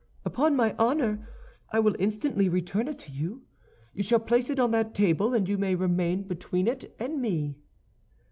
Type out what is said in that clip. "Upon my honor, I will instantly return it to you. You shall place it on that table, and you may remain between it and me."